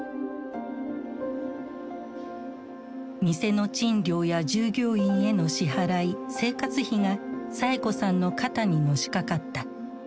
店の賃料や従業員への支払い生活費がサエ子さんの肩にのしかかった。